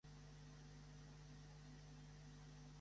El exclama: Moro gloriós perquè moro per tu!